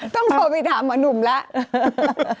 ต้องโทรไปถามหมอนุ่มแล้ว